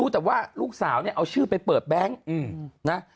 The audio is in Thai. แต่ว่าลูกสาวนี้เอาชื่อเขาไปเปิดแบงค์